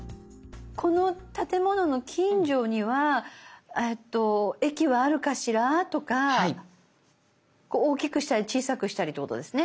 「この建物の近所には駅はあるかしら？」とか大きくしたり小さくしたりってことですね。